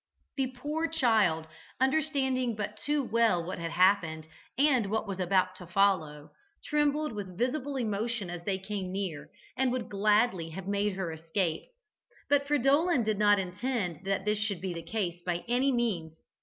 The poor child, understanding but too well what had happened and what was about to follow, trembled with visible emotion as they came near, and would gladly have made her escape. But Fridolin did not intend that this should be the case by any means.